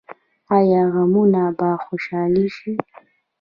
آیا غمونه به خوشحالي شي؟